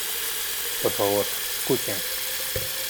¡ por favor! ¡ escuchen !